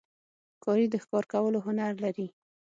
ښکاري د ښکار کولو هنر لري.